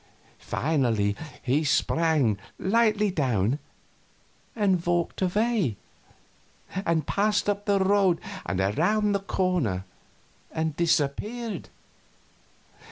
Finally he sprang lightly down and walked away, and passed up the road and around the corner and disappeared.